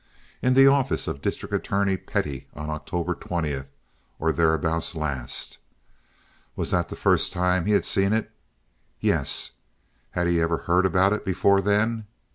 In the office of District Attorney Pettie on October 20th, or thereabouts last. Was that the first time he had seen it? Yes. Had he ever heard about it before then?